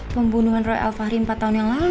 pembunuhan roy alvaheri empat tahun yang lalu